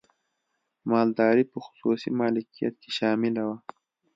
مالداري په خصوصي مالکیت کې شامله وه.